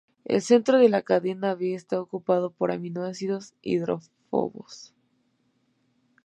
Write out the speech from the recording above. El centro de la cadena B está ocupado por aminoácidos hidrófobos.